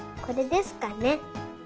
これですかね。